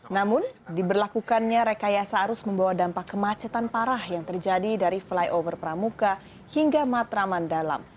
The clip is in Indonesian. namun diberlakukannya rekayasa arus membawa dampak kemacetan parah yang terjadi dari flyover pramuka hingga matraman dalam